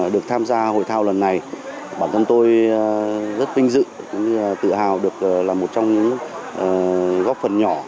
được tham gia hội thao lần này bản thân tôi rất vinh dự cũng tự hào được là một trong những góp phần nhỏ